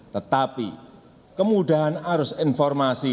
tetapi kemudahan arus informasi